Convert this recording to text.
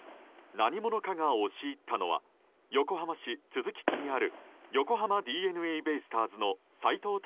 何者かが押し入ったのは横浜市都筑区にある横浜ＤｅＮＡベイスターズの斎藤隆